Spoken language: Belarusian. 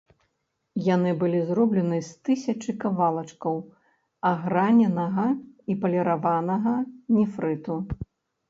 Яны былі зроблены з тысячы кавалачкаў аграненага і паліраванага нефрыту.